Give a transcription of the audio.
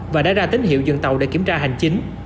và đã ra tín hiệu dừng tàu để kiểm tra hành chính